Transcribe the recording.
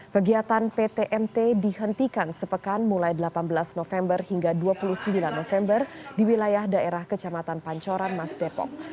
kegiatan ptmt dihentikan sepekan mulai delapan belas november hingga dua puluh sembilan november di wilayah daerah kecamatan pancoran mas depok